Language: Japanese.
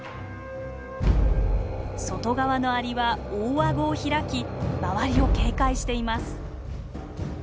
外側のアリは大顎を開き周りを警戒しています。